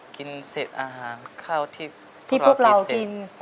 กินเสร็จอาหารข้าวที่พวกเรากิน